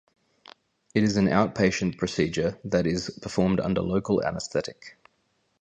It is an outpatient procedure that is performed under local anesthetic.